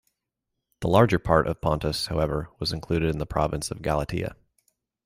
The larger part of Pontus, however, was included in the province of Galatia.